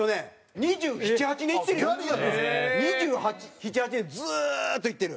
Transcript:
２７２８年ずっと行ってる。